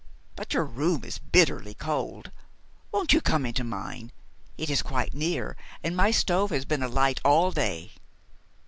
But your room is bitterly cold. Won't you come into mine? It is quite near, and my stove has been alight all day."